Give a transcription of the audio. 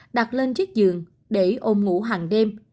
đặt lên chiếc giường để ôm ngủ hàng đêm